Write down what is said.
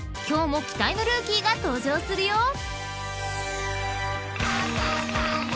今日も期待のルーキーが登場するよ］